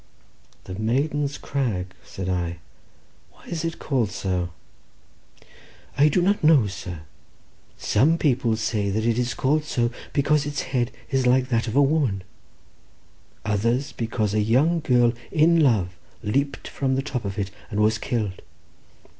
"The maiden's crag," said I; "why is it called so?" "I do not know, sir; some people say that it is called so because its head is like that of a woman, others because a young girl in love leaped from the top of it and was killed."